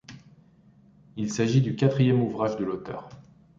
Il s'agit du quatrième ouvrage de l'auteur.